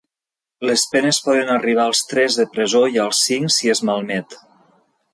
Les penes poden arribar als tres de presó i als cinc si es malmet.